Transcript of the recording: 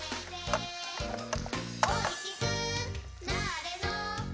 「おいしくなあれの」